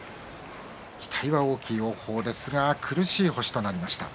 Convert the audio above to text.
期待は大きい王鵬苦しい星になりました。